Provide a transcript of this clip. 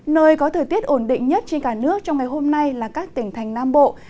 nơi có thời tiết ổn định nhất trên cả nước trong ngày hôm nay là các tỉnh thành nam bộ